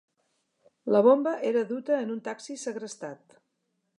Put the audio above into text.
La bomba era duta en un taxi segrestat.